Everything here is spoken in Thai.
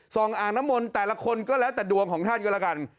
อ่างน้ำมนต์แต่ละคนก็แล้วแต่ดวงของท่านก็แล้วกัน